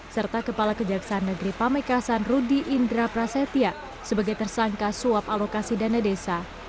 serta kepala kejaksaan negeri pamekasan rudy indra prasetya sebagai tersangka suap alokasi dana desa